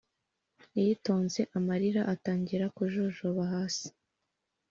yitonze amarira yatangiye kujojoba hasi,